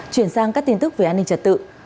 chuyển sang các tin tức về an ninh trật tự